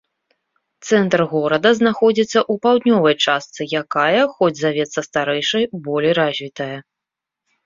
Цэнтр горада знаходзіцца ў паўднёвай частцы якая, хоць завецца старэйшай, болей развітая.